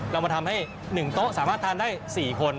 เรามาทำให้๑โต๊ะสามารถทานได้๔คน